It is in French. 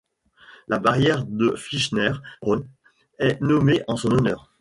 La barrière de Filchner-Ronne est nommée en son honneur.